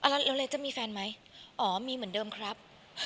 แล้วเล็กจะมีแฟนไหมอ๋อมีเหมือนเดิมครับ